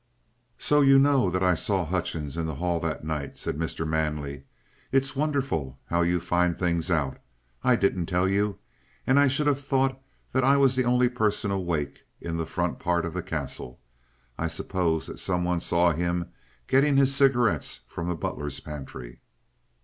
"So you know that I saw Hutchings in the hall that night?" said Mr. Manley. "It's wonderful how you find things out. I didn't tell you, and I should have thought that I was the only person awake in the front part of the Castle. I suppose that some one saw him getting his cigarettes from the butler's pantry."